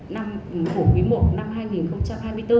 năm của quý i năm hai nghìn hai mươi bốn